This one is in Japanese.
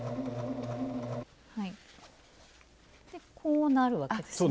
でこうなるわけですね。